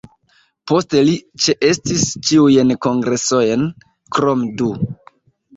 Poste li ĉeestis ĉiujn kongresojn, krom du.